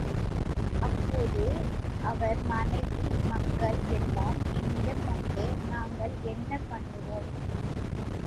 அப்போது அவர் மனைவி மக்கள் எல்லாம் என்னிடம் வந்து, நாங்கள் என்ன பண்ணுவோம்?